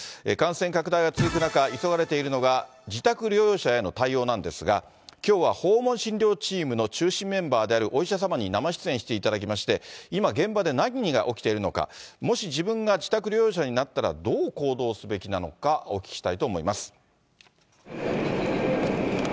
感染拡大が続く中、急がれているのが、自宅療養者への対応なんですが、きょうは訪問診療チームの中心メンバーであるお医者様に生出演していただきまして、今、現場で何が起きているのか、もし自分が自宅療養者になったら、どう行動すべきなのかお聞きしたいと思います。